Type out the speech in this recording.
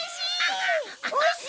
おいしい！